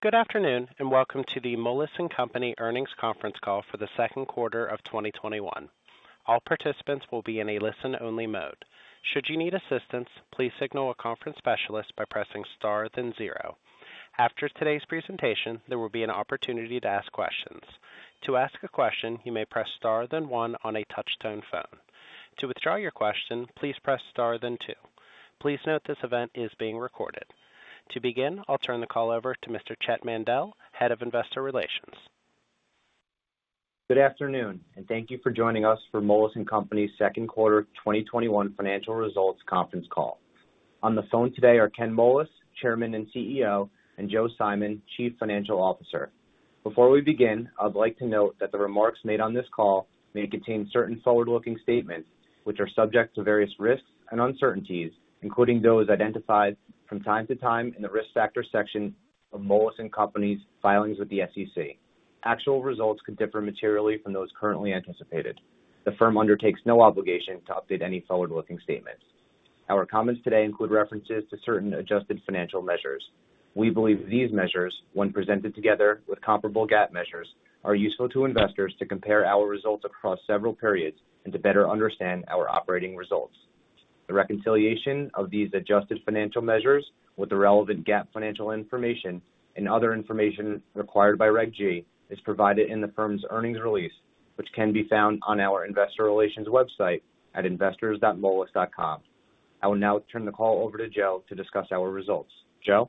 Good afternoon, welcome to the Moelis & Company earnings conference call for the second quarter of 2021. All participants will be in a listen-only mode. Should you need assistance, please signal a conference specialist by pressing star then zero. After today's presentation, there will be an opportunity to ask questions. To ask a question, you may press star then one on a touch-tone phone. To withdraw your question, please press star then two. Please note this event is being recorded. To begin, I'll turn the call over to Mr. Chett Mandel, Head of Investor Relations. Good afternoon. Thank you for joining us for Moelis & Company's second quarter 2021 financial results conference call. On the phone today are Ken Moelis, Chairman and Chief Executive Officer, and Joe Simon, Chief Financial Officer. Before we begin, I would like to note that the remarks made on this call may contain certain forward-looking statements, which are subject to various risks and uncertainties, including those identified from time to time in the risk factor section of Moelis & Company's filings with the SEC. Actual results could differ materially from those currently anticipated. The firm undertakes no obligation to update any forward-looking statements. Our comments today include references to certain adjusted financial measures. We believe these measures, when presented together with comparable GAAP measures, are useful to investors to compare our results across several periods and to better understand our operating results. The reconciliation of these adjusted financial measures with the relevant GAAP financial information and other information required by Reg G is provided in the firm's earnings release, which can be found on our investor relations website at investors.moelis.com. I will now turn the call over to Joe to discuss our results. Joe?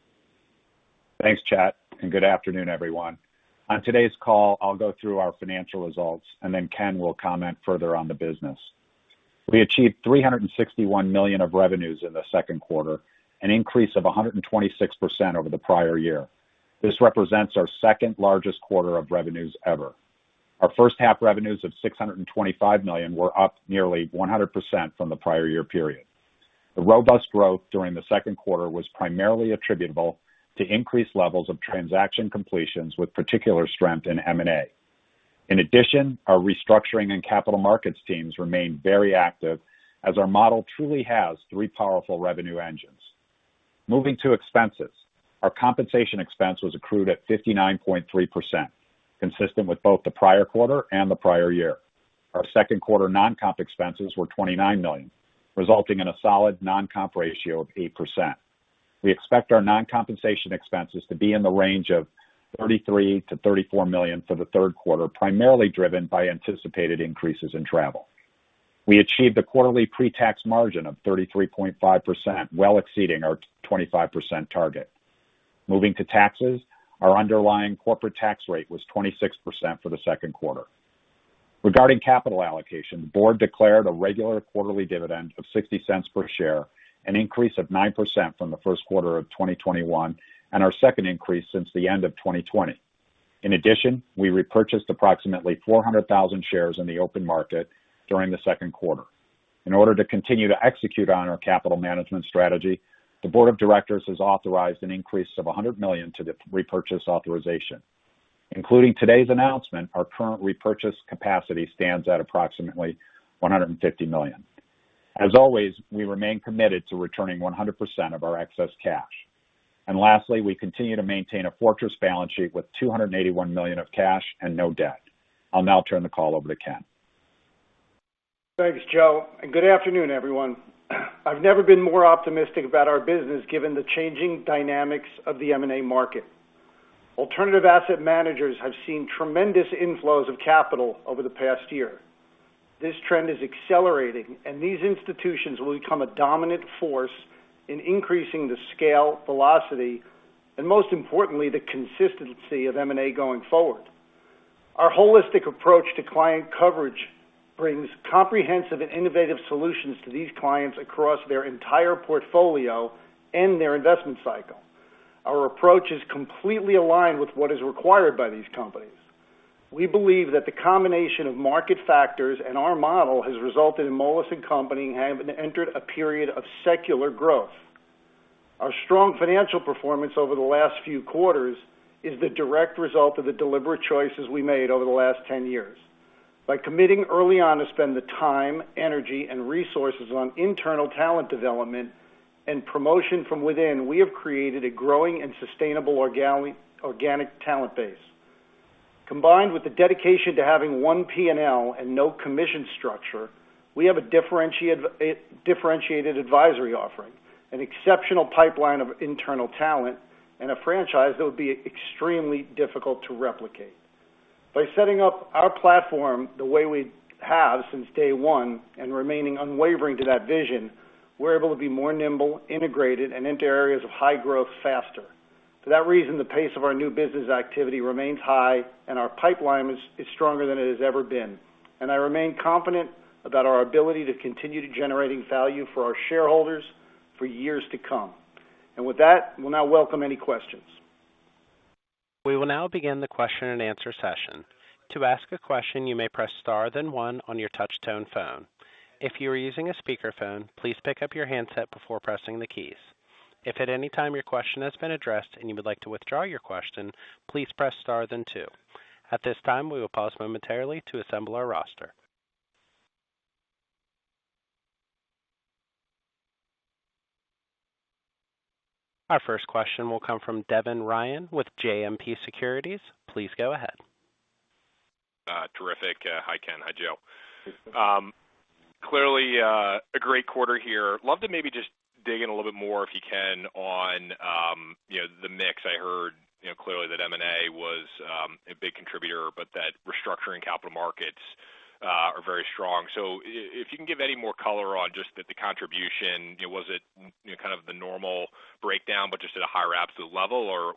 Thanks, Chett. Good afternoon, everyone. On today's call, I'll go through our financial results, and then Ken will comment further on the business. We achieved $361 million of revenues in the second quarter, an increase of 126% over the prior year. This represents our second-largest quarter of revenues ever. Our first-half revenues of $625 million were up nearly 100% from the prior year period. The robust growth during the second quarter was primarily attributable to increased levels of transaction completions with particular strength in M&A. In addition, our restructuring and capital markets teams remain very active as our model truly has three powerful revenue engines. Moving to expenses. Our compensation expense was accrued at 59.3%, consistent with both the prior quarter and the prior year. Our second quarter non-comp expenses were $29 million, resulting in a solid non-comp ratio of 8%. We expect our non-compensation expenses to be in the range of $33 million-$34 million for the third quarter, primarily driven by anticipated increases in travel. We achieved a quarterly pre-tax margin of 33.5%, well exceeding our 25% target. Moving to taxes, our underlying corporate tax rate was 26% for the second quarter. Regarding capital allocation, the board declared a regular quarterly dividend of $0.60 per share, an increase of 9% from the first quarter of 2021, and our second increase since the end of 2020. In addition, we repurchased approximately 400,000 shares in the open market during the second quarter. In order to continue to execute on our capital management strategy, the board of directors has authorized an increase of $100 million to the repurchase authorization. Including today's announcement, our current repurchase capacity stands at approximately $150 million. As always, we remain committed to returning 100% of our excess cash. Lastly, we continue to maintain a fortress balance sheet with $281 million of cash and no debt. I'll now turn the call over to Ken. Thanks, Joe, and good afternoon, everyone. I've never been more optimistic about our business given the changing dynamics of the M&A market. Alternative asset managers have seen tremendous inflows of capital over the past year. This trend is accelerating, these institutions will become a dominant force in increasing the scale, velocity, and most importantly, the consistency of M&A going forward. Our holistic approach to client coverage brings comprehensive and innovative solutions to these clients across their entire portfolio and their investment cycle. Our approach is completely aligned with what is required by these companies. We believe that the combination of market factors and our model has resulted in Moelis & Company having entered a period of secular growth. Our strong financial performance over the last few quarters is the direct result of the deliberate choices we made over the last 10 years. By committing early on to spend the time, energy, and resources on internal talent development and promotion from within, we have created a growing and sustainable organic talent base. Combined with the dedication to having one P&L and no commission structure, we have a differentiated advisory offering, an exceptional pipeline of internal talent, and a franchise that would be extremely difficult to replicate. By setting up our platform the way we have since day one and remaining unwavering to that vision, we're able to be more nimble, integrated, and enter areas of high growth faster. For that reason, the pace of our new business activity remains high and our pipeline is stronger than it has ever been. I remain confident about our ability to continue to generating value for our shareholders for years to come. With that, we'll now welcome any questions. We will now begin the question and answer session. Our first question will come from Devin Ryan with JMP Securities. Please go ahead. Terrific. Hi, Ken. Hi, Joe. Hi. Clearly a great quarter here. Love to maybe just dig in a little bit more, if you can, on the mix. I heard clearly that M&A was a big contributor, but that restructuring capital markets are very strong. If you can give any more color on just the contribution. Was it kind of the normal breakdown but just at a higher absolute level or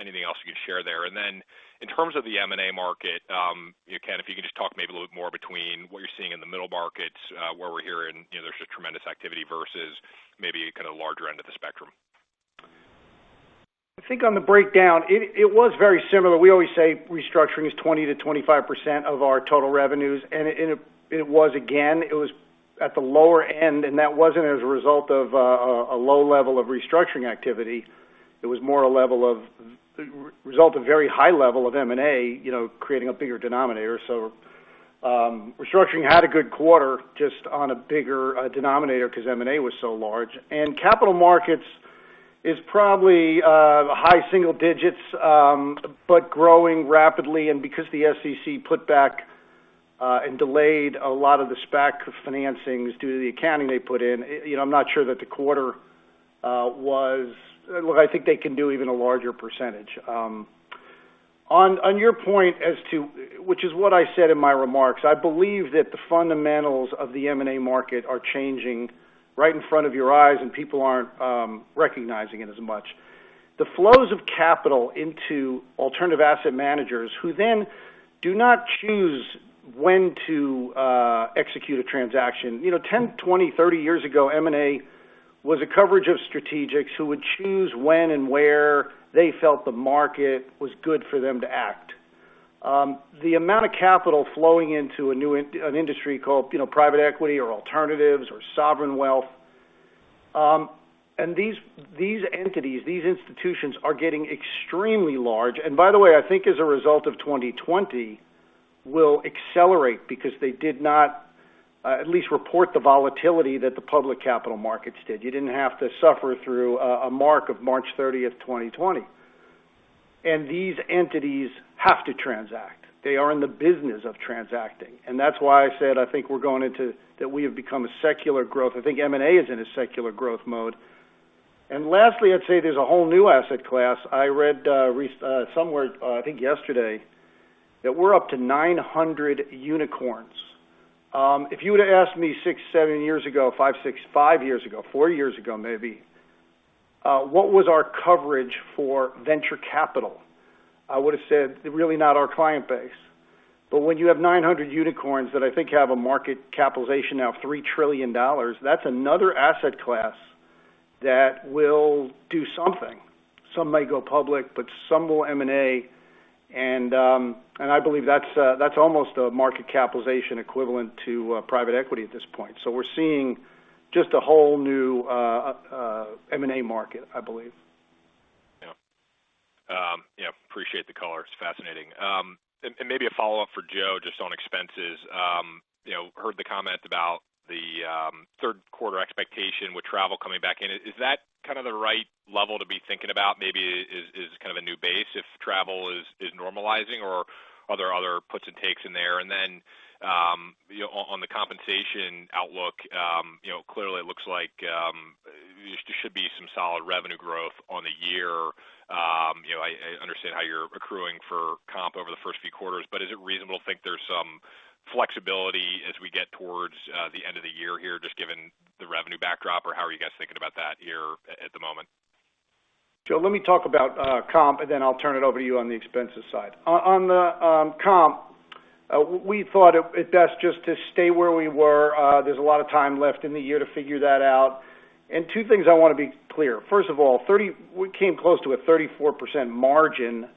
anything else you can share there? Then in terms of the M&A market, Ken, if you could just talk maybe a little bit more between what you're seeing in the middle markets where we're hearing there's just tremendous activity versus maybe kind of larger end of the spectrum. I think on the breakdown, it was very similar. We always say restructuring is 20%-25% of our total revenues, and it was again. It was at the lower end, and that wasn't as a result of a low level of restructuring activity. It was more a result of very high level of M&A creating a bigger denominator. Restructuring had a good quarter just on a bigger denominator because M&A was so large. Capital markets is probably high single digits but growing rapidly. Because the SEC put back and delayed a lot of the SPAC financings due to the accounting they put in, I'm not sure that the quarter was. Well, I think they can do even a larger percentage. On your point, which is what I said in my remarks, I believe that the fundamentals of the M&A market are changing right in front of your eyes, and people aren't recognizing it as much. The flows of capital into alternative asset managers who then do not choose when to execute a transaction. 10 years, 20 years, 30 years ago, M&A was a coverage of strategics who would choose when and where they felt the market was good for them to act. The amount of capital flowing into an industry called private equity or alternatives or sovereign wealth. These entities, these institutions are getting extremely large. By the way, I think as a result of 2020 will accelerate because they did not at least report the volatility that the public capital markets did. You didn't have to suffer through a mark of March 30th, 2020. These entities have to transact. They are in the business of transacting. That's why I said I think we're going into that we have become a secular growth. I think M&A is in a secular growth mode. Lastly, I'd say there's a whole new asset class. I read somewhere, I think yesterday, that we're up to 900 unicorns. If you would've asked me six, seven years ago, five years, six years, five years ago, four years ago maybe, what was our coverage for venture capital? I would've said really not our client base. When you have 900 unicorns that I think have a market capitalization now of $3 trillion, that's another asset class that will do something. Some may go public, but some will M&A. I believe that's almost a market capitalization equivalent to private equity at this point. We're seeing just a whole new M&A market, I believe. Yeah. Appreciate the color. It's fascinating. Maybe a follow-up for Joe just on expenses. Heard the comment about the third quarter expectation with travel coming back in. Is that kind of the right level to be thinking about maybe is kind of a new base if travel is normalizing or are there other puts and takes in there? Then on the compensation outlook, clearly it looks like there should be some solid revenue growth on the year. I understand how you're accruing for comp over the first few quarters, but is it reasonable to think there's some flexibility as we get towards the end of the year here just given the revenue backdrop or how are you guys thinking about that here at the moment? Joe, let me talk about comp and then I'll turn it over to you on the expenses side. On the comp, we thought it best just to stay where we were. There's a lot of time left in the year to figure that out. Two things I want to be clear. First of all, we came close to a 34% margin.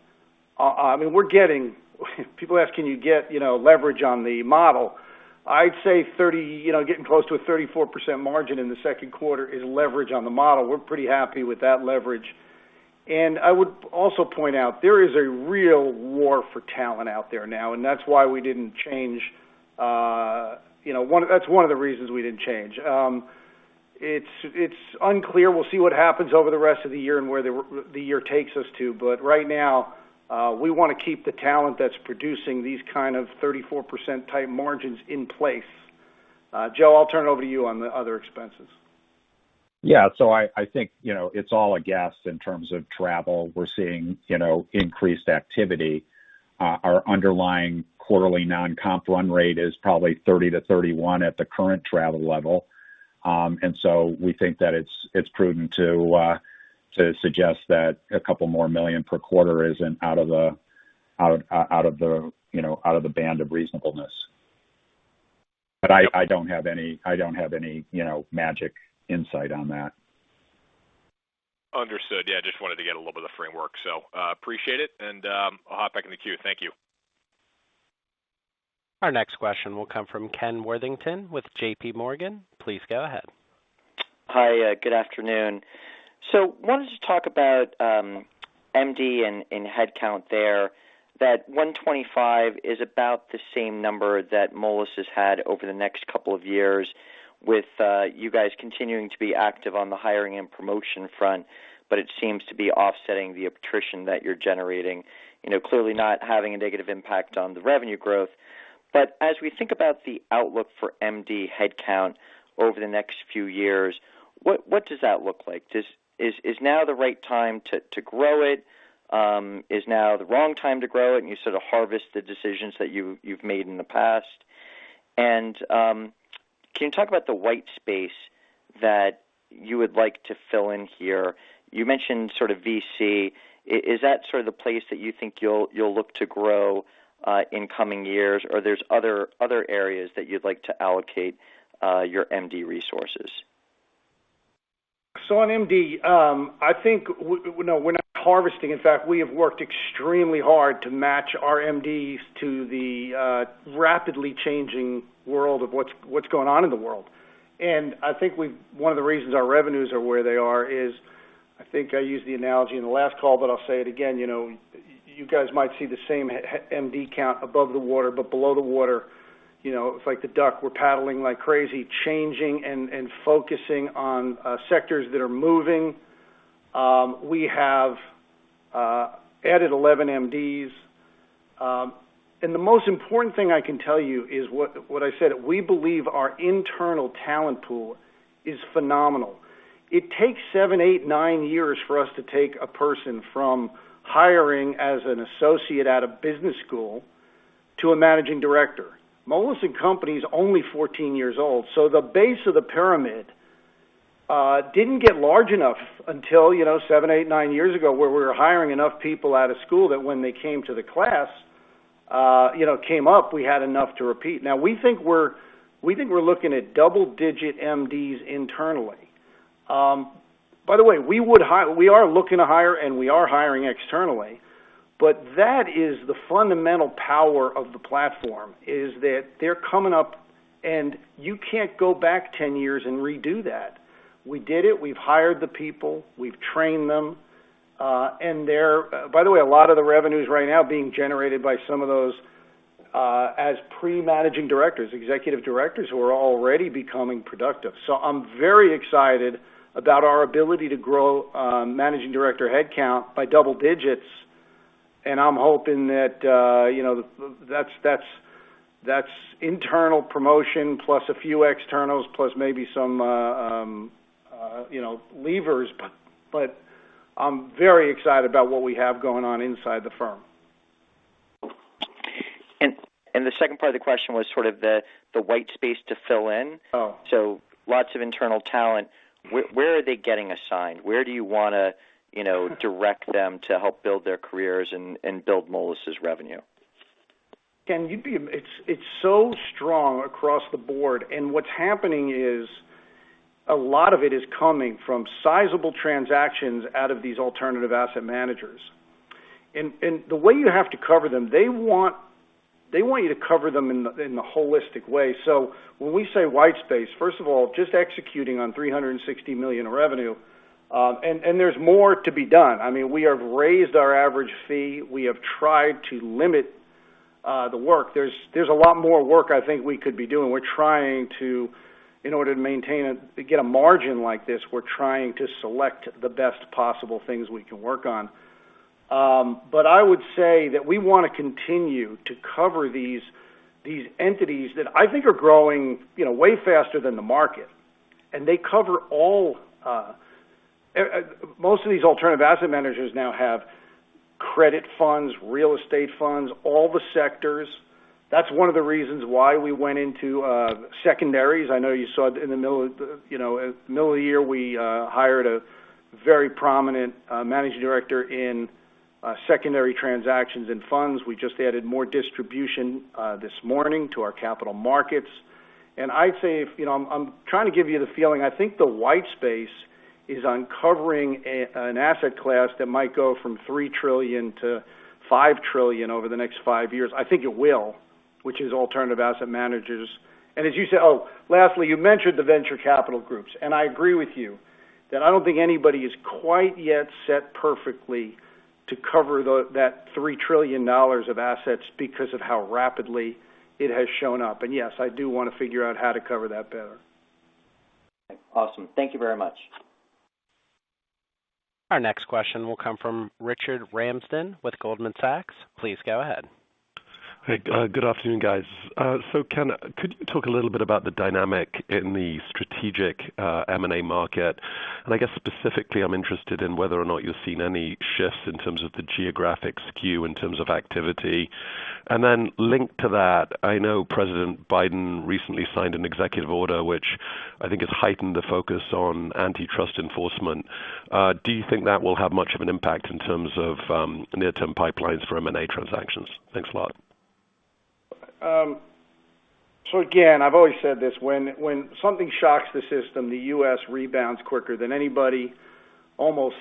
People ask can you get leverage on the model? I'd say getting close to a 34% margin in the second quarter is leverage on the model. We're pretty happy with that leverage. I would also point out there is a real war for talent out there now, and that's one of the reasons we didn't change. It's unclear. We'll see what happens over the rest of the year and where the year takes us to. Right now, we want to keep the talent that's producing these kind of 34%-type margins in place. Joe, I'll turn it over to you on the other expenses. I think it's all a guess in terms of travel. We're seeing increased activity. Our underlying quarterly non-comp run rate is probably $30 million-$31 million at the current travel level. We think that it's prudent to suggest that a couple more million per quarter isn't out of the band of reasonableness. I don't have any magic insight on that. Understood. Yeah, just wanted to get a little bit of framework. Appreciate it and I'll hop back in the queue. Thank you. Our next question will come from Ken Worthington with JPMorgan. Please go ahead. Hey, good afternoon. Wanted to talk about MD and headcount there. That 125 is about the same number that Moelis has had over the next couple of years with you guys continuing to be active on the hiring and promotion front, but it seems to be offsetting the attrition that you're generating. Clearly not having a negative impact on the revenue growth. As we think about the outlook for MD headcount over the next few years, what does that look like? Is now the right time to grow it? Is now the wrong time to grow it, and you sort of harvest the decisions that you've made in the past? Can you talk about the white space that you would like to fill in here? You mentioned sort of VC. Is that sort of the place that you think you'll look to grow, in coming years or there's other areas that you'd like to allocate your MD resources? On MD, I think, we're not harvesting. In fact, we have worked extremely hard to match our MDs to the rapidly changing world of what's going on in the world. I think one of the reasons our revenues are where they are is, I think I used the analogy in the last call, but I'll say it again, you guys might see the same MD count above the water, but below the water, it's like the duck. We're paddling like crazy, changing and focusing on sectors that are moving. We have added 11 MDs. The most important thing I can tell you is what I said, we believe our internal talent pool is phenomenal. It takes seven, eight, nine years for us to take a person from hiring as an associate out of business school to a managing director. Moelis & Company is only 14 years old, so the base of the pyramid didn't get large enough until seven, eight, nine years ago, where we were hiring enough people out of school that when they came to the class, came up, we had enough to repeat. We think we're looking at double-digit MDs internally. By the way, we are looking to hire, and we are hiring externally, but that is the fundamental power of the platform, is that they're coming up, and you can't go back 10 years and redo that. We did it. We've hired the people, we've trained them. By the way, a lot of the revenues right now are being generated by some of those as pre-managing directors, executive directors who are already becoming productive. I'm very excited about our ability to grow Managing Director headcount by double digits, and I'm hoping that's internal promotion plus a few externals, plus maybe some leavers. I'm very excited about what we have going on inside the firm. The second part of the question was sort of the white space to fill in. Oh. Lots of internal talent. Where are they getting assigned? Where do you want to direct them to help build their careers and build Moelis' revenue? Ken, it's so strong across the board. What's happening is a lot of it is coming from sizable transactions out of these alternative asset managers. The way you have to cover them, they want you to cover them in a holistic way. When we say white space, first of all, just executing on $360 million of revenue. There's more to be done. We have raised our average fee. We have tried to limit the work. There's a lot more work I think we could be doing. In order to get a margin like this, we're trying to select the best possible things we can work on. I would say that we want to continue to cover these entities that I think are growing way faster than the market. They cover Most of these alternative asset managers now have credit funds, real estate funds, all the sectors. That's one of the reasons why we went into secondaries. I know you saw it in the middle of the year, we hired a very prominent managing director in secondary transactions and funds. We just added more distribution this morning to our capital markets. I'd say, I'm trying to give you the feeling, I think the white space is uncovering an asset class that might go from $3 trillion-$5 trillion over the next five years. I think it will, which is alternative asset managers. Lastly, you mentioned the venture capital groups, and I agree with you that I don't think anybody is quite yet set perfectly to cover that $3 trillion of assets because of how rapidly it has shown up. Yes, I do want to figure out how to cover that better. Awesome. Thank you very much. Our next question will come from Richard Ramsden with Goldman Sachs. Please go ahead. Hey, good afternoon, guys. Ken, could you talk a little bit about the dynamic in the strategic M&A market? I guess specifically, I'm interested in whether or not you're seeing any shifts in terms of the geographic skew, in terms of activity. Then linked to that, I know President Biden recently signed an executive order, which I think has heightened the focus on antitrust enforcement. Do you think that will have much of an impact in terms of near-term pipelines for M&A transactions? Thanks a lot. Again, I've always said this, when something shocks the system, the U.S. rebounds quicker than anybody. Almost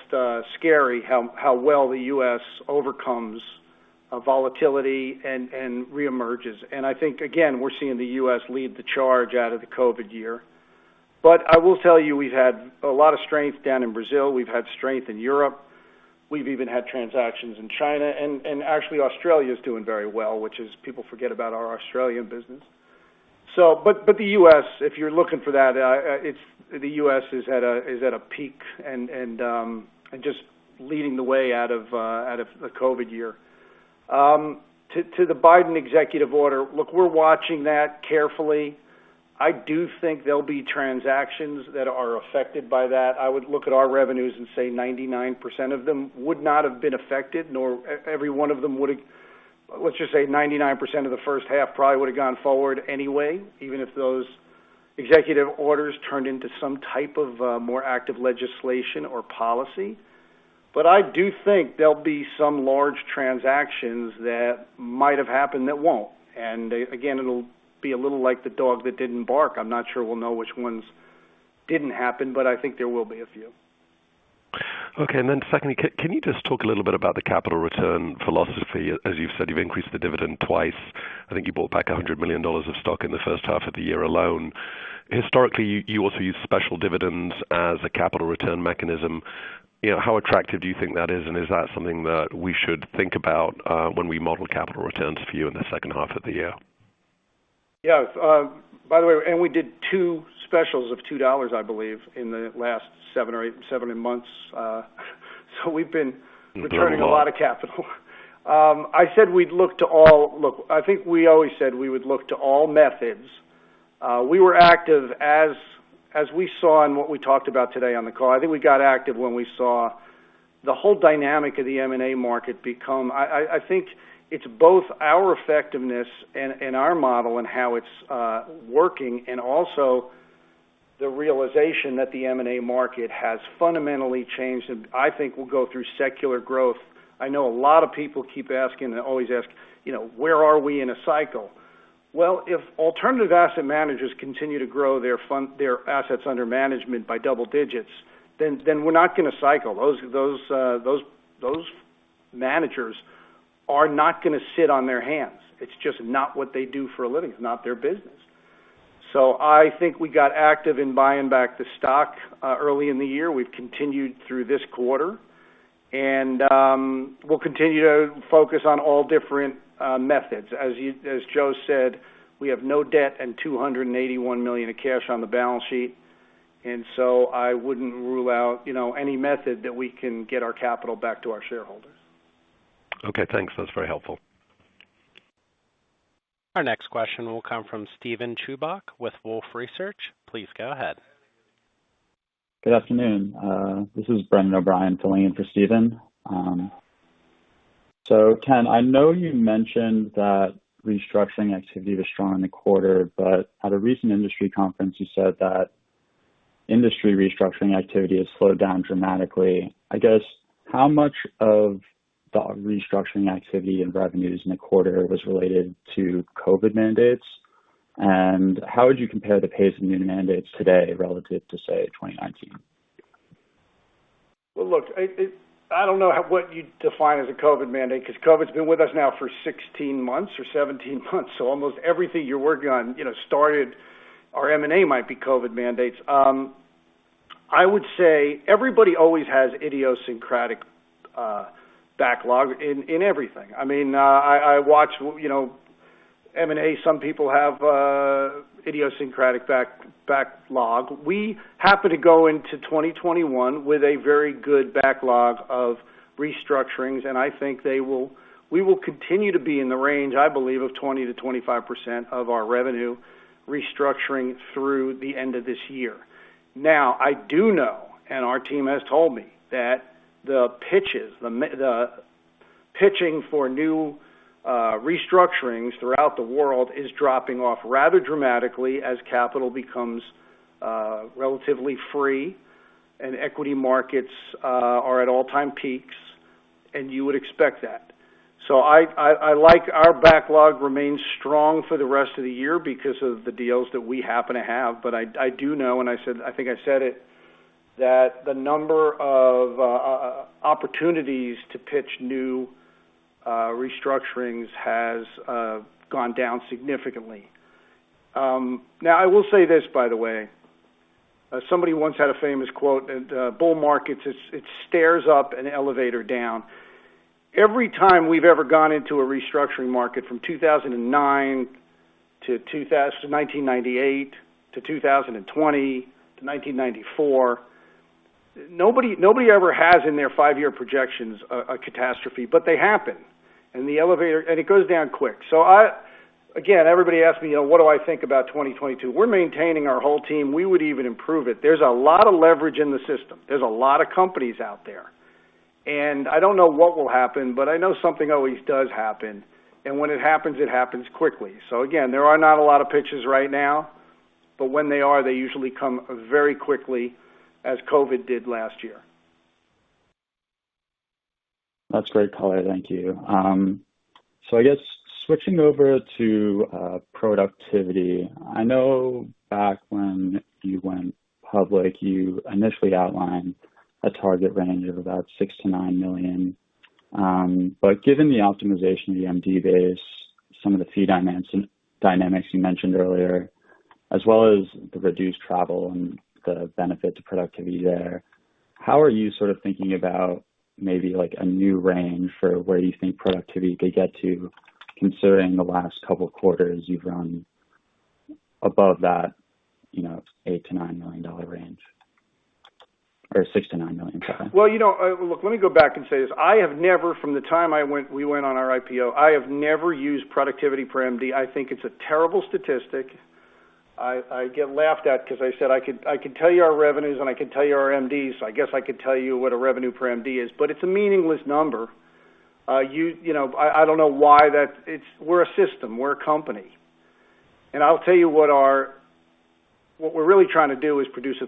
scary how well the U.S. overcomes volatility and reemerges. I think, again, we're seeing the U.S. lead the charge out of the COVID year. I will tell you, we've had a lot of strength down in Brazil. We've had strength in Europe. We've even had transactions in China, and actually Australia is doing very well, which is, people forget about our Australian business. The U.S., if you're looking for that, the U.S. is at a peak and just leading the way out of the COVID year. To the Biden executive order, look, we're watching that carefully. I do think there'll be transactions that are affected by that. I would look at our revenues and say 99% of them would not have been affected. Let's just say 99% of the first half probably would've gone forward anyway, even if those executive orders turned into some type of more active legislation or policy. I do think there'll be some large transactions that might have happened that won't. Again, it'll be a little like the dog that didn't bark. I'm not sure we'll know which ones didn't happen, but I think there will be a few. Secondly, can you just talk a little bit about the capital return philosophy? As you've said, you've increased the dividend twice. I think you bought back $100 million of stock in the first half of the year alone. Historically, you also use special dividends as a capital return mechanism. How attractive do you think that is, and is that something that we should think about when we model capital returns for you in the second half of the year? Yes. By the way, we did two specials of $2, I believe, in the last seven or eight, seven months. Returning a lot of capital. Look, I think we always said we would look to all methods. We were active as we saw in what we talked about today on the call. I think we got active when we saw the whole dynamic of the M&A market become I think it's both our effectiveness and our model and how it's working, and also the realization that the M&A market has fundamentally changed, and I think we'll go through secular growth. I know a lot of people keep asking, they always ask, "Where are we in a cycle?" Well, if alternative asset managers continue to grow their assets under management by double digits, then we're not going to cycle. Those managers are not going to sit on their hands. It's just not what they do for a living. It's not their business. I think we got active in buying back the stock early in the year. We've continued through this quarter, and we'll continue to focus on all different methods. As Joe said, we have no debt and $281 million of cash on the balance sheet. I wouldn't rule out any method that we can get our capital back to our shareholders. Okay, thanks. That's very helpful. Our next question will come from Steven Chubak with Wolfe Research. Please go ahead. Good afternoon. This is Brennan O'Brien filling in for Steven. Ken, I know you mentioned that restructuring activity was strong in the quarter, but at a recent industry conference, you said that industry restructuring activity has slowed down dramatically. I guess, how much of the restructuring activity and revenues in the quarter was related to COVID mandates? How would you compare the pace of new mandates today relative to, say, 2019? Well, look, I don't know what you'd define as a COVID mandate because COVID's been with us now for 16 months or 17 months, so almost everything you're working on started, or M&A might be COVID mandates. I would say everybody always has idiosyncratic backlog in everything. I watch M&A, some people have a idiosyncratic backlog. We happened to go into 2021 with a very good backlog of restructurings, and I think we will continue to be in the range, I believe, of 20%-25% of our revenue restructuring through the end of this year. Now, I do know, and our team has told me, that the pitches, the pitching for new restructurings throughout the world is dropping off rather dramatically as capital becomes relatively free and equity markets are at all-time peaks, and you would expect that. I like our backlog remains strong for the rest of the year because of the deals that we happen to have. I do know, and I think I said it, that the number of opportunities to pitch new restructurings has gone down significantly. I will say this, by the way. Somebody once had a famous quote, bull markets, it's stairs up and elevator down. Every time we've ever gone into a restructuring market from 2009 to 1998 to 2020 to 1994, nobody ever has in their five-year projections a catastrophe, but they happen. The elevator, and it goes down quick. Again, everybody asks me what do I think about 2022. We're maintaining our whole team. We would even improve it. There's a lot of leverage in the system. There's a lot of companies out there. I don't know what will happen, but I know something always does happen. When it happens, it happens quickly. Again, there are not a lot of pitches right now, but when they are, they usually come very quickly as COVID did last year. Well, look, let me go back and say this. I have never, from the time we went on our IPO, I have never used productivity per MD. I think it's a terrible statistic. I get laughed at because I said I could tell you our revenues and I could tell you our MDs. I guess I could tell you what a revenue per MD is. It's a meaningless number. I don't know why. We're a system. We're a company. I'll tell you what we're really trying to do is produce a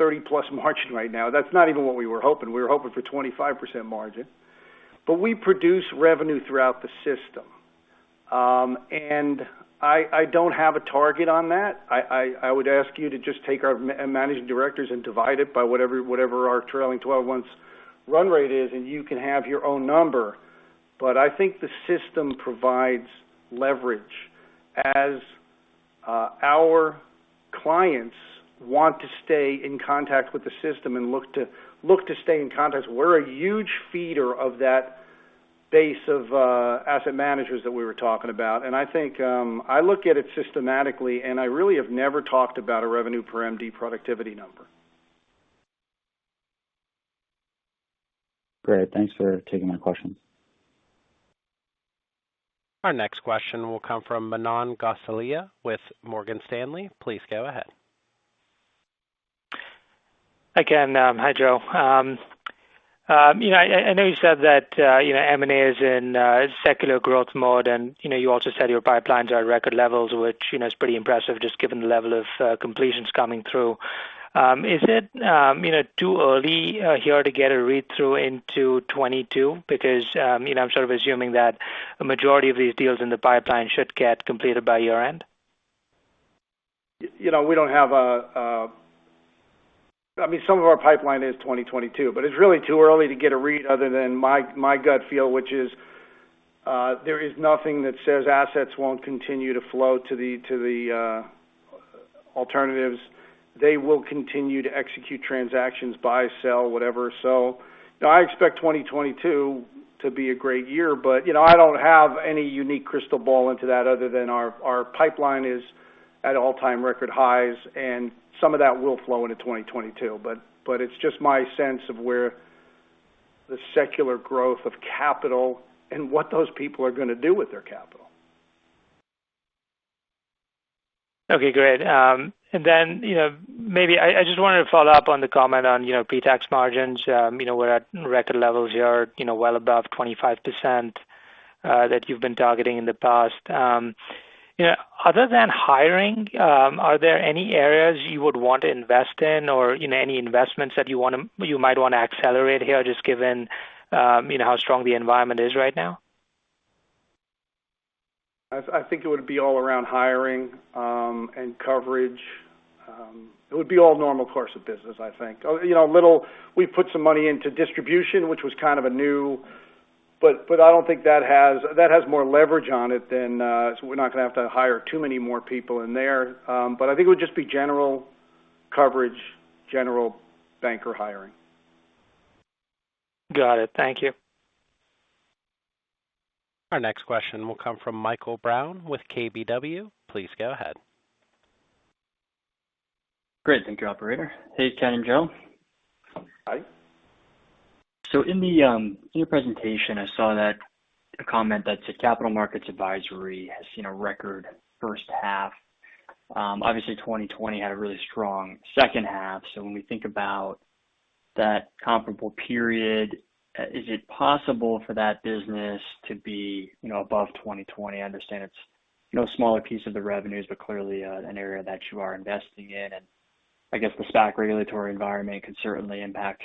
30-plus margin right now. That's not even what we were hoping. We were hoping for 25% margin. We produce revenue throughout the system. I don't have a target on that. I would ask you to just take our managing directors and divide it by whatever our trailing 12 months run rate is, and you can have your own one number. I think the system provides leverage. As our clients want to stay in contact with the system and look to stay in contact, we're a huge feeder of that base of asset managers that we were talking about. I think I look at it systematically, and I really have never talked about a revenue per MD productivity number. Great. Thanks for taking my question. Our next question will come from Manan Gosalia with Morgan Stanley. Please go ahead. Again, hi, Joe. I know you said that M&A is in secular growth mode, and you also said your pipelines are at record levels, which is pretty impressive, just given the level of completions coming through. Is it too early here to get a read-through into 2022? I'm sort of assuming that a majority of these deals in the pipeline should get completed by your end. Some of our pipeline is 2022. It's really too early to get a read other than my gut feel, which is, there is nothing that says assets won't continue to flow to the alternatives. They will continue to execute transactions, buy, sell, whatever. I expect 2022 to be a great year, but I don't have any unique crystal ball into that other than our pipeline is at all-time record highs, and some of that will flow into 2022. It's just my sense of where the secular growth of capital and what those people are going to do with their capital. Okay, great. Then, maybe I just wanted to follow up on the comment on pre-tax margins. We're at record levels here, well above 25% that you've been targeting in the past. Other than hiring, are there any areas you would want to invest in or any investments that you might want to accelerate here, just given how strong the environment is right now? I think it would be all around hiring and coverage. It would be all normal course of business, I think. We put some money into distribution, which was kind of a new, but I don't think that has more leverage on it, so we're not going to have to hire too many more people in there. I think it would just be general coverage, general banker hiring. Got it. Thank you. Our next question will come from Michael Brown with KBW. Please go ahead. Great. Thank you, operator. Hey, Ken and Joe. Hi. In your presentation, I saw that a comment that said capital markets advisory has seen a record first half. Obviously, 2020 had a really strong second half. When we think about that comparable period, is it possible for that business to be above 2020? I understand it's a smaller piece of the revenues, but clearly an area that you are investing in. I guess the stock regulatory environment could certainly impact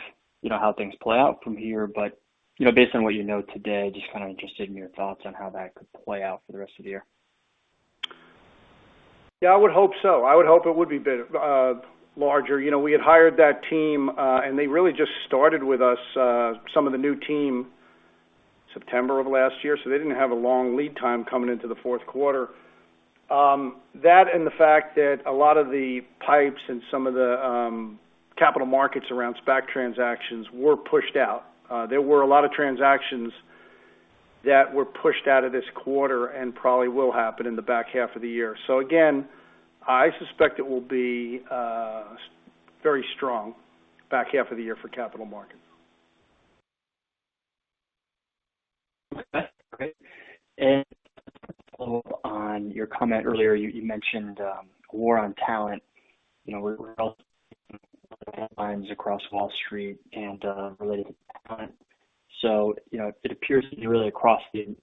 how things play out from here. Based on what you know today, just kind of interested in your thoughts on how that could play out for the rest of the year. Yeah, I would hope so. I would hope it would be larger. We had hired that team, and they really just started with us, some of the new team, September of last year. They didn't have a long lead time coming into the fourth quarter. That and the fact that a lot of the PIPEs and some of the capital markets around SPAC transactions were pushed out. There were a lot of transactions that were pushed out of this quarter and probably will happen in the back half of the year. Again, I suspect it will be very strong back half of the year for capital markets. Okay. To follow on your comment earlier, you mentioned war on talent. We're also seeing headlines across Wall Street and related to talent. It appears to be really across the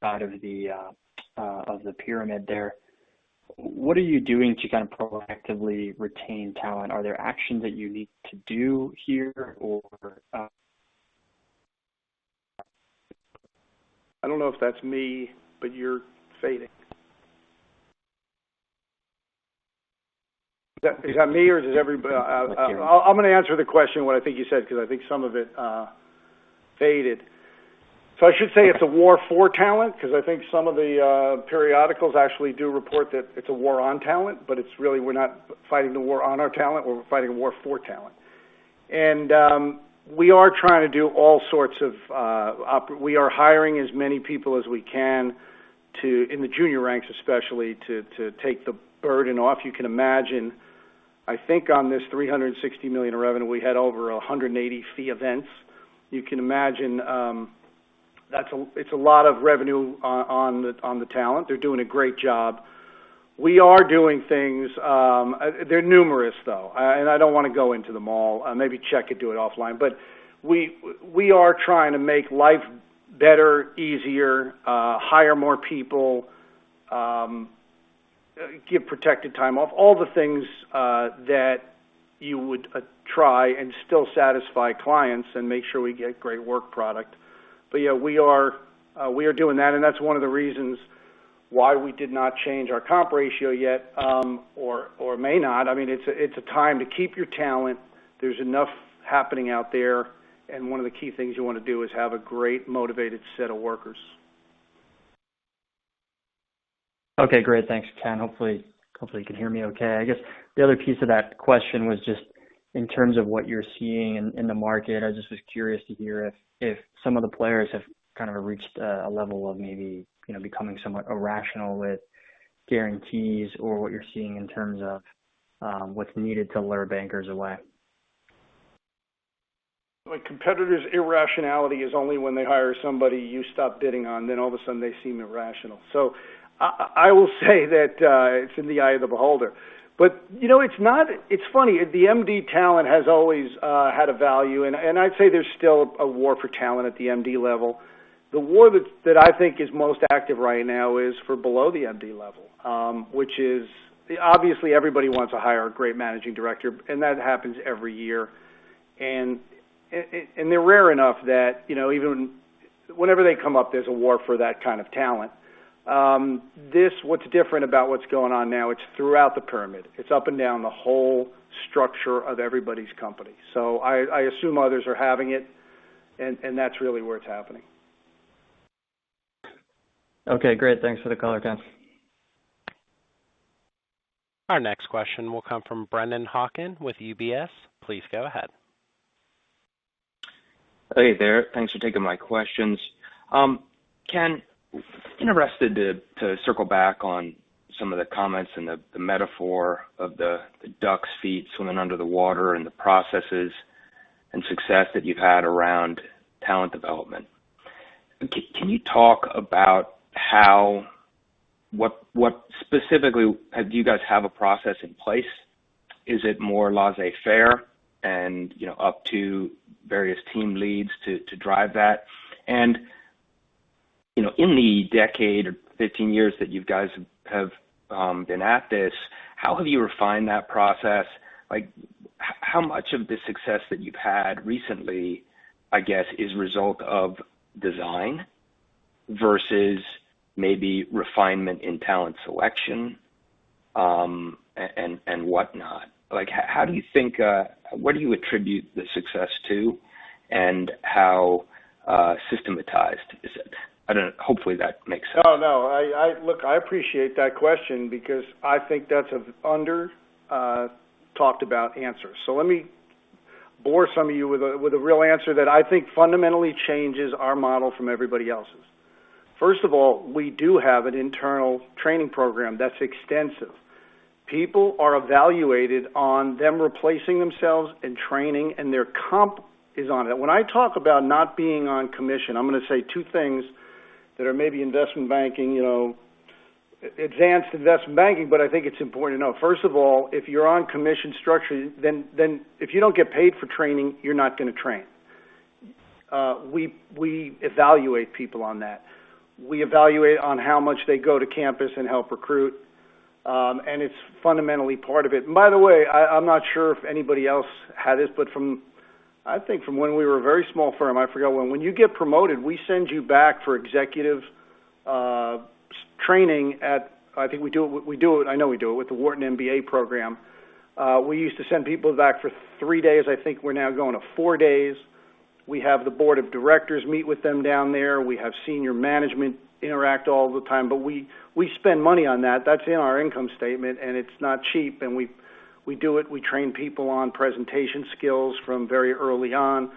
side of the pyramid there. What are you doing to kind of proactively retain talent? Are there actions that you need to do here? I don't know if that's me, but you're fading. Is that me or is it everybody? It's you. I'm going to answer the question, what I think you said, because I think some of it faded. I should say it's a war for talent because I think some of the periodicals actually do report that it's a war on talent, but it's really we're not fighting the war on our talent, we're fighting a war for talent. We are trying to do all sorts of We are hiring as many people as we can to, in the junior ranks especially, to take the burden off. You can imagine, I think on this $360 million in revenue, we had over 180 fee events. You can imagine, it's a lot of revenue on the talent. They're doing a great job. We are doing things. They're numerous though, and I don't want to go into them all. Maybe Chett could do it offline. We are trying to make life better, easier, hire more people, give protected time off, all the things that you would try and still satisfy clients and make sure we get great work product. Yeah, we are doing that and that's one of the reasons why we did not change our comp ratio yet, or may not. It's a time to keep your talent. There's enough happening out there, and one of the key things you want to do is have a great motivated set of workers. Okay, great. Thanks, Ken. Hopefully you can hear me okay. I guess the other piece of that question was just in terms of what you're seeing in the market. I just was curious to hear if some of the players have kind of reached a level of maybe becoming somewhat irrational with guarantees or what you're seeing in terms of what's needed to lure bankers away. Competitors' irrationality is only when they hire somebody you stop bidding on, then all of a sudden they seem irrational. I will say that it's in the eye of the beholder. It's funny, the MD talent has always had a value, and I'd say there's still a war for talent at the MD level. The war that I think is most active right now is for below the MD level. Obviously everybody wants to hire a great managing director, and that happens every year. They're rare enough that even whenever they come up, there's a war for that kind of talent. What's different about what's going on now, it's throughout the pyramid. It's up and down the whole structure of everybody's company. I assume others are having it, and that's really where it's happening. Okay, great. Thanks for the color, Ken. Our next question will come from Brennan Hawken with UBS. Please go ahead. Hey there. Thanks for taking my questions. Ken, interested to circle back on some of the comments and the metaphor of the duck's feet swimming under the water and the processes and success that you've had around talent development. Can you talk about what specifically, do you guys have a process in place? Is it more laissez-faire and up to various team leads to drive that? In the decade or 15 years that you guys have been at this, how have you refined that process? How much of the success that you've had recently, I guess, is result of design versus maybe refinement in talent selection, and whatnot? What do you attribute the success to, and how systematized is it? I don't know. Hopefully that makes sense. Oh, no. Look, I appreciate that question because I think that's an under-talked about answer. Let me bore some of you with a real answer that I think fundamentally changes our model from everybody else's. First of all, we do have an internal training program that's extensive. People are evaluated on them replacing themselves and training, and their comp is on it. When I talk about not being on commission, I'm going to say two things that are maybe investment banking, advanced investment banking, but I think it's important to know. First of all, if you're on commission structure, then if you don't get paid for training, you're not going to train. We evaluate people on that. We evaluate on how much they go to campus and help recruit. It's fundamentally part of it. By the way, I'm not sure if anybody else had this, but I think from when we were a very small firm, I forget when you get promoted, we send you back for executive training at I think we do it, I know we do it with the Wharton MBA program. We used to send people back for three days. I think we're now going to four days. We have the board of directors meet with them down there. We have senior management interact all the time, but we spend money on that. That's in our income statement, and it's not cheap. We do it. We train people on presentation skills from very early on.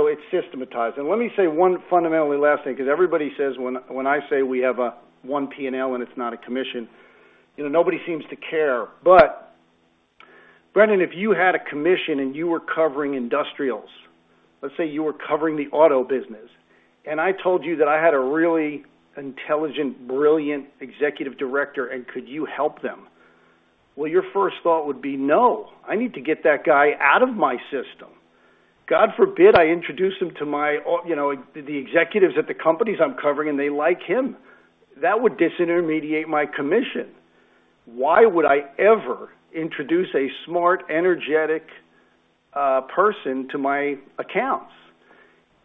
It's systematized. Let me say one fundamentally last thing because everybody says when I say we have one P&L and it's not a commission, nobody seems to care. Brendan, if you had a commission and you were covering industrials, let's say you were covering the auto business, and I told you that I had a really intelligent, brilliant executive director and could you help them? Well, your first thought would be, "No, I need to get that guy out of my system. God forbid I introduce him to the executives at the companies I'm covering, and they like him. That would disintermediate my commission. Why would I ever introduce a smart, energetic person to my accounts?"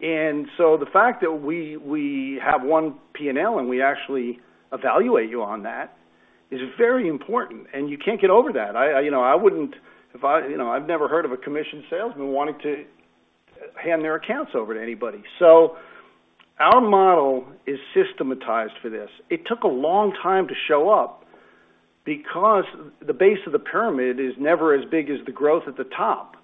The fact that we have 1 P&L, and we actually evaluate you on that is very important, and you can't get over that. I've never heard of a commissioned salesman wanting to hand their accounts over to anybody. Our model is systematized for this. It took a long time to show up because the base of the pyramid is never as big as the growth at the top.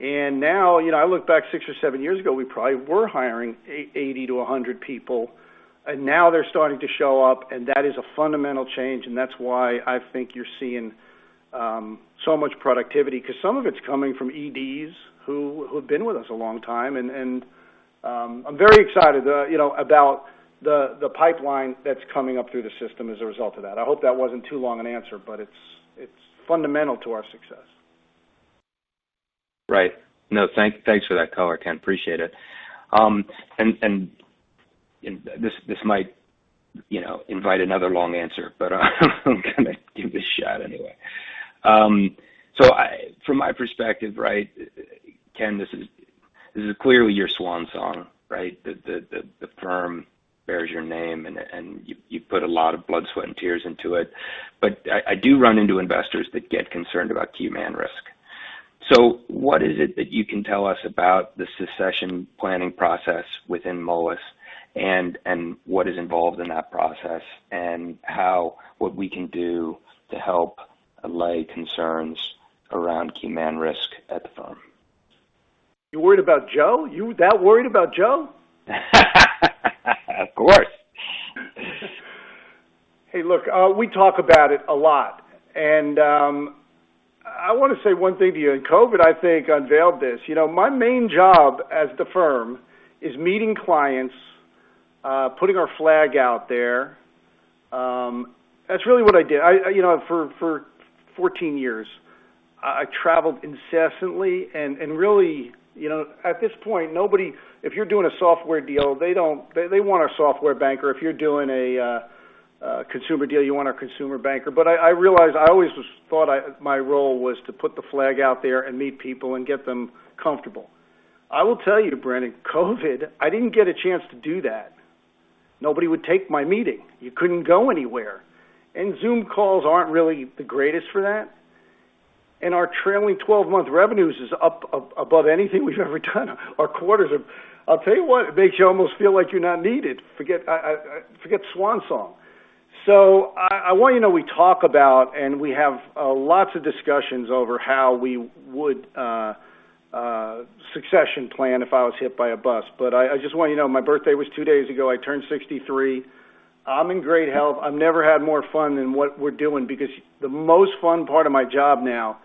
Now, I look back six or seven years ago, we probably were hiring 80 people-100 people, now they're starting to show up, that is a fundamental change, that's why I think you're seeing so much productivity, because some of it's coming from EDs who have been with us a long time. I'm very excited about the pipeline that's coming up through the system as a result of that. I hope that wasn't too long an answer, but it's fundamental to our success. Right. No, thanks for that color, Ken. Appreciate it. This might invite another long answer, but I'm going to give it a shot anyway. From my perspective, Ken, this is clearly your swan song. The firm bears your name, and you've put a lot of blood, sweat, and tears into it. I do run into investors that get concerned about key man risk. What is it that you can tell us about the succession planning process within Moelis, and what is involved in that process, and what we can do to help allay concerns around key man risk at the firm? You're worried about Joe? You're that worried about Joe? Of course. Hey, look, we talk about it a lot. I want to say one thing to you. COVID, I think, unveiled this. My main job at the firm is meeting clients, putting our flag out there. That's really what I did for 14 years. I traveled incessantly. Really, at this point, if you're doing a software deal, they want a software banker. If you're doing a consumer deal, you want a consumer banker. I realize I always thought my role was to put the flag out there and meet people and get them comfortable. I will tell you, Brennan Hawken, COVID, I didn't get a chance to do that. Nobody would take my meeting. You couldn't go anywhere. Zoom calls aren't really the greatest for that. Our trailing 12-month revenues is up above anything we've ever done. Our quarters are I'll tell you what, it makes you almost feel like you're not needed. Forget swan song. I want you to know we talk about, and we have lots of discussions over how we would succession plan if I was hit by a bus. I just want you to know my birthday was two days ago. I turned 63 years. I'm in great health. I've never had more fun than what we're doing because the most fun part of my job now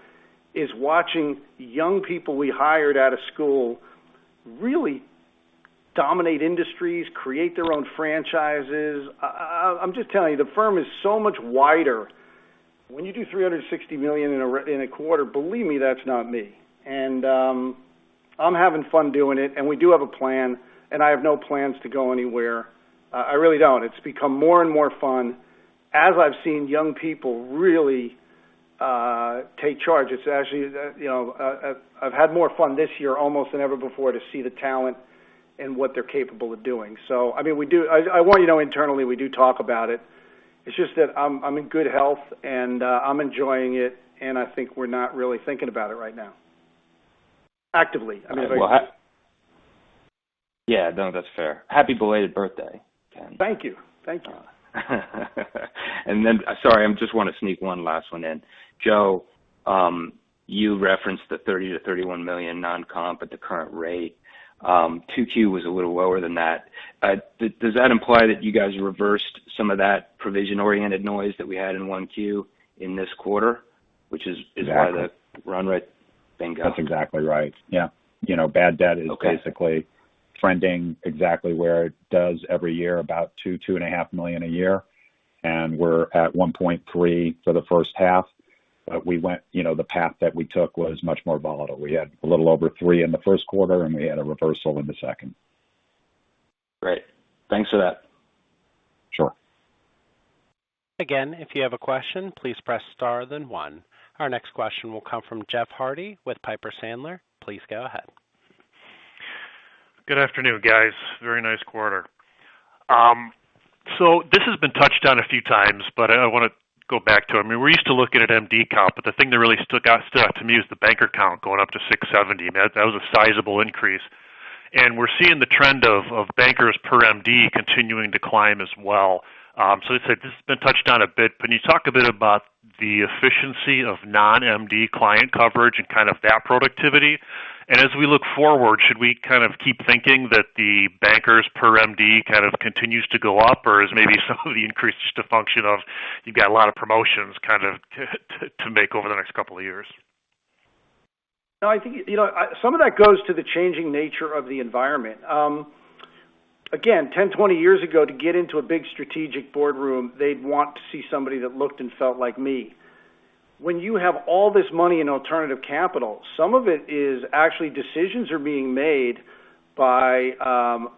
is watching young people we hired out of school really dominate industries, create their own franchises. I'm just telling you, the firm is so much wider. When you do $360 million in a quarter, believe me, that's not me. I'm having fun doing it, and we do have a plan, and I have no plans to go anywhere. I really don't. It's become more and more fun as I've seen young people really take charge. I've had more fun this year almost than ever before to see the talent and what they're capable of doing. I want you to know internally we do talk about it. It's just that I'm in good health, and I'm enjoying it, and I think we're not really thinking about it right now actively. Yeah. No, that's fair. Happy belated birthday, Ken. Thank you. Sorry, I just want to sneak one last one in. Joe, you referenced the $30 million-$31 million non-comp at the current rate. 2Q was a little lower than that. Does that imply that you guys reversed some of that provision-oriented noise that we had in 1Q in this quarter? Exactly which is why the run rate went up? That's exactly right. Yeah. Bad debt. Okay basically trending exactly where it does every year, about $2 million-$2.5 million a year. We're at $1.3 million for the first half. The path that we took was much more volatile. We had a little over $3 million in the first quarter, and we had a reversal in the second. Great. Thanks for that. Sure. Again, if you have a question, please press star then one. Our next question will come from Jeff Harte with Piper Sandler. Please go ahead. Good afternoon, guys. Very nice quarter. This has been touched on a few times, but I want to go back to it. We're used to looking at MD count, but the thing that really stood out to me is the banker count going up to 670. That was a sizable increase. We're seeing the trend of bankers per MD continuing to climb as well. This has been touched on a bit, can you talk a bit about the efficiency of non-MD client coverage and kind of that productivity? As we look forward, should we kind of keep thinking that the bankers per MD kind of continues to go up, or is maybe some of the increase just a function of you've got a lot of promotions kind of to make over the next couple of years? No, I think some of that goes to the changing nature of the environment. Again, 10 years, 20 years ago, to get into a big strategic boardroom, they'd want to see somebody that looked and felt like me. When you have all this money in alternative capital, some of it is actually decisions are being made by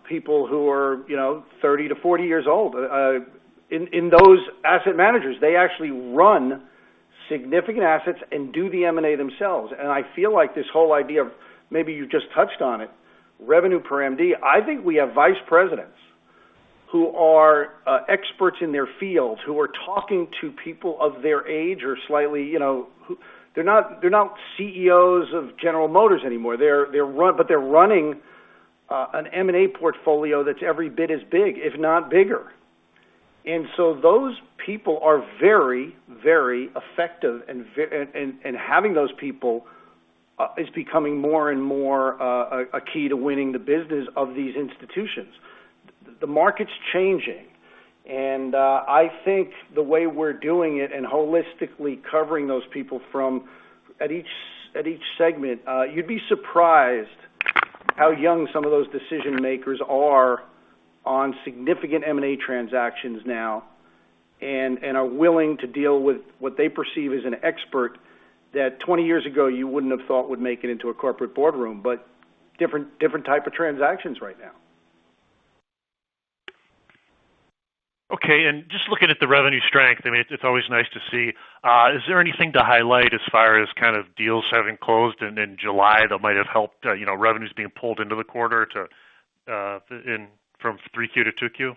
people who are 30 years-40 years old. In those asset managers, they actually run significant assets and do the M&A themselves. I feel like this whole idea of, maybe you just touched on it, revenue per MD. I think we have vice presidents who are experts in their fields, who are talking to people of their age or slightly. They're not CEOs of General Motors anymore, but they're running an M&A portfolio that's every bit as big, if not bigger. Those people are very effective and having those people is becoming more and more a key to winning the business of these institutions. The market's changing. I think the way we're doing it and holistically covering those people from at each segment, you'd be surprised how young some of those decision makers are on significant M&A transactions now, and are willing to deal with what they perceive as an expert that 20 years ago you wouldn't have thought would make it into a corporate boardroom, but different type of transactions right now. Okay. Just looking at the revenue strength, it's always nice to see. Is there anything to highlight as far as deals having closed in July that might have helped revenues being pulled into the quarter from Q3 to Q2?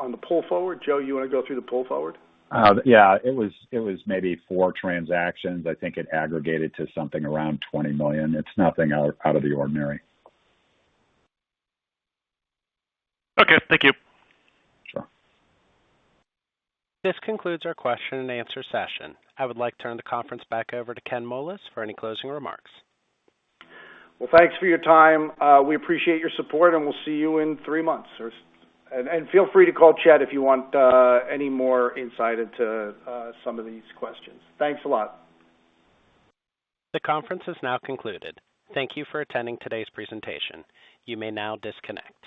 On the pull forward? Joe, you want to go through the pull forward? Yeah. It was maybe four transactions. I think it aggregated to something around $20 million. It's nothing out of the ordinary. Okay, thank you. Sure. This concludes our question and answer session. I would like to turn the conference back over to Ken Moelis for any closing remarks. Well, thanks for your time. We appreciate your support, we'll see you in three months. Feel free to call Chett if you want any more insight into some of these questions. Thanks a lot. The conference has now concluded. Thank you for attending today's presentation. You may now disconnect.